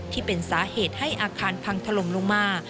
ที่เป็นสาเหตุให้อาคารพังถล่มลงมา